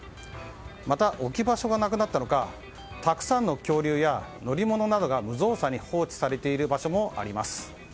また、置き場所がなくなったのかたくさんの恐竜や乗り物などが無造作に放置されている場所もあります。